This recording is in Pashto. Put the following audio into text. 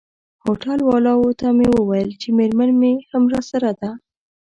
هوټل والاو ته مې وویل چي میرمن مي هم راسره ده.